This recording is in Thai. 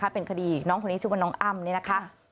เป็นคดีน้องคนนี้ชื่อว่าน้องอ้ำนี่นะคะ